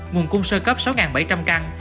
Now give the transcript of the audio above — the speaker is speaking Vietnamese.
nguồn cung sơ cấp sáu bảy trăm linh căn